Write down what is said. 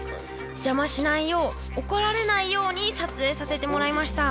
邪魔しないよう怒られないように撮影させてもらいました。